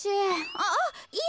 あっいえ